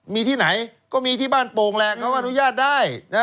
มีที่ไหนก็มีที่บ้านโป่งแหละเขาอนุญาตได้